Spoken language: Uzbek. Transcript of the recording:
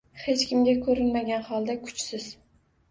Hech kimga ko’rinmagan holda kuchsiz.